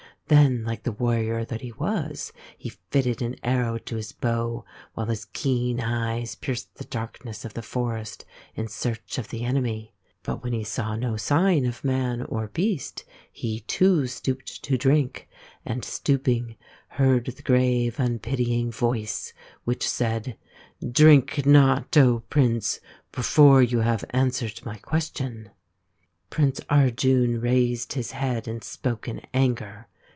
Then, like the warrior that he was, he fitted an arrow to his bow while his keen eyes pierced the darkness of the forest in search of the enemy. But when he saw no sign of man or beast, he too stooped to drink and, stooping, heard the grave, unpitying Voice which said, " Drink not, Prince, before you have answered my question." "~"" Prince Arjun raised his head and spoke in anger.